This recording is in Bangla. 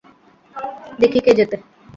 দেখি কে জেতে।